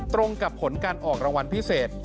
ตรงกับผลการออกรางวัลพิเศษ